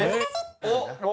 おっ！